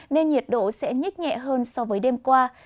nên nhiệt độ sẽ nhích nhẹ hơn so với đêm qua